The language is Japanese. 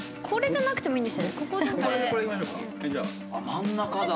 真ん中だ。